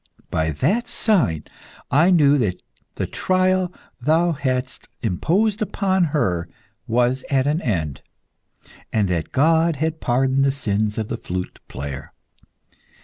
By that sign I knew that the trial thou hadst imposed upon her was at an end, and that God had pardoned the sins of the flute player.